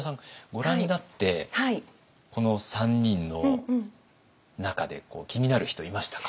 ご覧になってこの３人の中で気になる人いましたか？